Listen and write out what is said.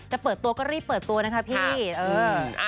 เปิดตัวก็รีบเปิดตัวนะคะพี่